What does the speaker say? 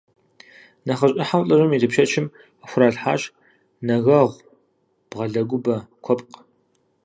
Нэхъыжь ӏыхьэу лӏыжьым и тепщэчым къыхуралъхьащ нэгэгъу, бгъэлыгубэ, куэпкъ.